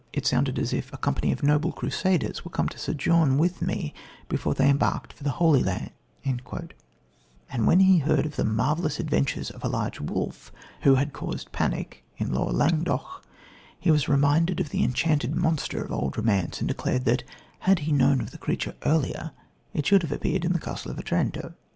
It sounded as if a company of noble crusaders were come to sojourn with me before they embarked for the Holy Land"; and when he heard of the marvellous adventures of a large wolf who had caused a panic in Lower Languedoc, he was reminded of the enchanted monster of old romance and declared that, had he known of the creature earlier, it should have appeared in The Castle of Otranto.